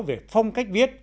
về phong cách